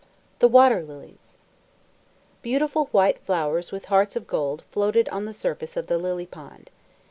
THE WATER LILIES Beautiful white flowers with hearts of gold floated on the surface of the lily pond.